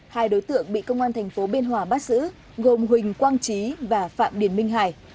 hai đối tượng bị công an tp biên hòa bắt giữ gồm huỳnh quang trí và phạm điển minh hải